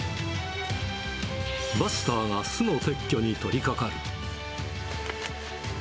バスターが巣の撤去に取りかかる。